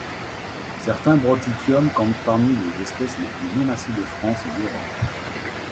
Certains Brotychium comptent parmi les espèces les plus menacées de France et d'Europe.